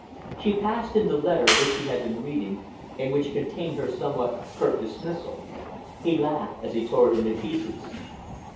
She passed him the letter which she had been reading, and which contained her somewhat curt dismissal. He laughed as he tore it into pieces.